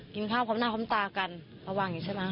กินข้าวความหน้าความตากันเขาว่าอย่างงี้ใช่มั้ย